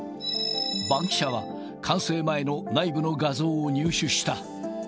バンキシャは、完成前の内部の画像を入手した。